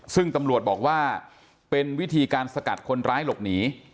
ซึ่งตำรวจบอกว่าเป็นวิธีการสกัดคนร้ายหลบหนี